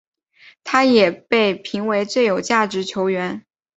他也被评为最有价值球员。